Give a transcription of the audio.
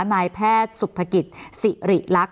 นายแพทย์สุภกิจสิริลักษ